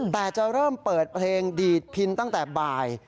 แต่จะเริ่มเปิดเพลงดีดพินตั้งแต่บ่าย